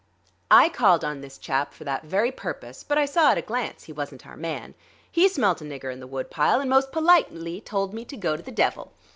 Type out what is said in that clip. I called on this chap for that very purpose; but I saw at a glance he wasn't our man. He smelt a nigger in the woodpile and most politely told me to go to the devil.